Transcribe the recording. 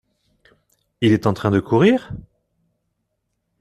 Il est en train de courir ?